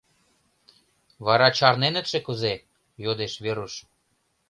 — Вара чарненытше кузе? — йодеш Веруш.